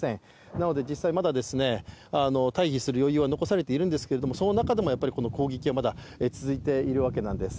なので実際、まだ退避する余裕は残されているんですけれどもその中でもこの攻撃はまだ続いているわけなんです。